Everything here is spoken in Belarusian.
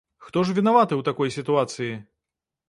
Хто ж вінаваты ў такой сітуацыі?